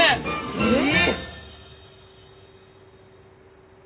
えっ！